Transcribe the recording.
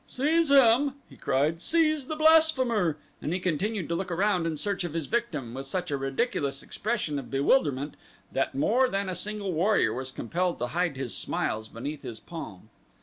"Seize him," he cried; "seize the blasphemer," and he continued to look around in search of his victim with such a ridiculous expression of bewilderment that more than a single warrior was compelled to hide his smiles beneath his palm.